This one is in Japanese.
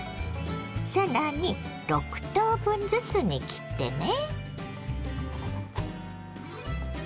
更に６等分ずつに切ってね。